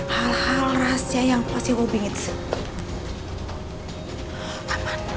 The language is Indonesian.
hal hal rahasia yang pasti gue bingit sih